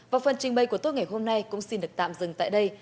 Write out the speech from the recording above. và phần trình bày của tốt ngày hôm nay cũng xin được tạm dừng tại đây